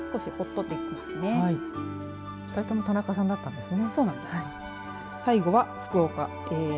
２人とも田中さんだったんですね。